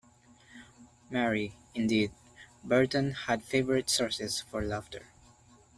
Merry, indeed, Burton had favourite sources for laughter.